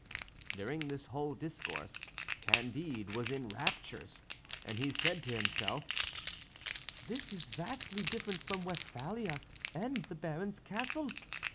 During this whole discourse Candide was in raptures, and he said to himself: "This is vastly different from Westphalia and the Baron's castle.